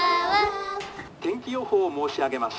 「天気予報を申し上げます」。